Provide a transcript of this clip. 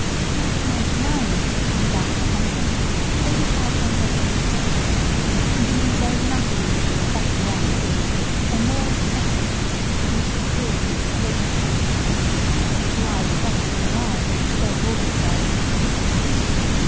Like ninety nine Americans out of a hundred, they decided on Westminster Abbey; and indeed there is nothing in England better worth seeing, or more impressive, in its dim, rich antiquity, to eyes fresh from the world which still calls itself "new."